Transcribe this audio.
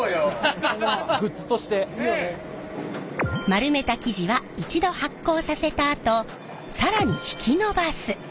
丸めた生地は一度発酵させたあと更に引き伸ばす。